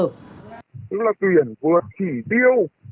đó là tuyển của chỉ tiêu